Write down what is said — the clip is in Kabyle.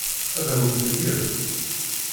Ad awen-ten-yefk?